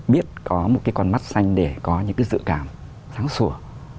biết có một cái con mắt xanh để có những cái dự cảm sáng sủa